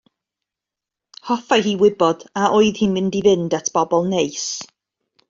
Hoffai hi wybod a oedd hi'n mynd i fynd at bobl neis.